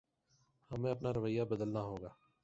ہمیں اپنا رویہ بدلنا ہوگا۔